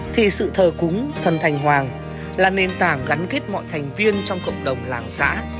thì sự thờ cúng thần thành hoàng là nền tảng gắn kết mọi thành viên trong cộng đồng làng xã